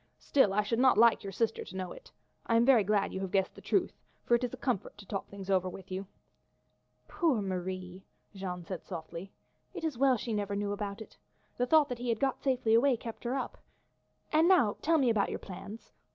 Still I should not like your sister to know it. I am very glad you have guessed the truth, for it is a comfort to talk things over with you." "Poor Marie!" Jeanne said softly. "It is well she never knew about it. The thought he had got safely away kept her up. And now, tell me about your plans.